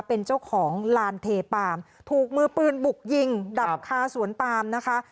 เป็นเจ้าของลานเทปาล์มถูกมือปืนบุกยิงดับคาสวนปามนะคะ